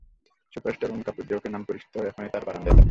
Superstar Om Kapoor, যে ওকে নামে পরিচিত, এখন তাঁর বারান্দায় দাড়িয়ে।